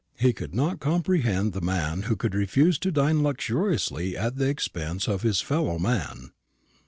He could not comprehend the man who could refuse to dine luxuriously at the expense of his fellow man.